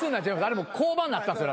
あれもう降板になったんです。